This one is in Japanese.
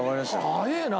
早えな！